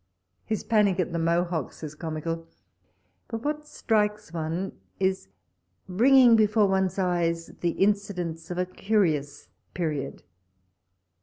His panic at the Mohocks is comical ; but what strikes one, is bringing before one's eyes the incidents of a curious period.